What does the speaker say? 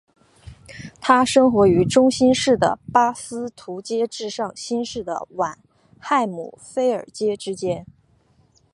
它生活于中新世的巴斯图阶至上新世的晚亥姆菲尔阶之间。